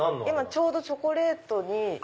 今ちょうどチョコレートに。